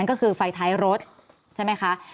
ก็คือไฟท้ายรถใช่ไหมคะ